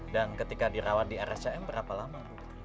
dan ketika dirawat di rsjm berapa lama